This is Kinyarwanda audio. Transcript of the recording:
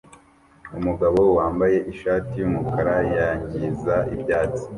Umugabo wambaye ishati yumukara yangiza ibyatsi